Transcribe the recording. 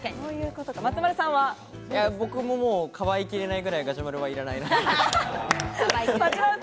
僕も、かばいきれないくらいガジュマルはいらない。